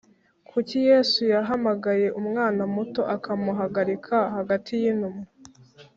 Kuki Yesu yahamagaye umwana muto akamuhagarika hagati y intumwa